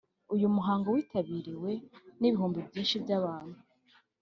uyu muhango w’itabiriwe n’ibihumbi byinshi by’abantu,